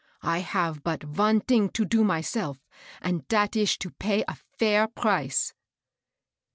I have but von ting to do myself, and dat ish to pay de fair price.'